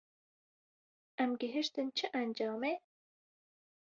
Em gihîştin çi encamê?